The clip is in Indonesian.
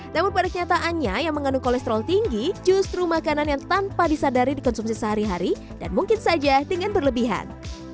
namun pada kenyataannya yang mengandung kolesterol tinggi justru makanan yang tanpa disadari dikonsumsi sehari hari dan mungkin saja dengan berlebihan